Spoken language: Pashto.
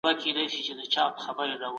دا چاره د بشري همکارۍ لامل شوې.